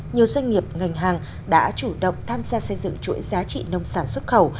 nhiều doanh nghiệp ngành hàng đã chủ động tham gia xây dựng chuỗi giá trị nông sản xuất khẩu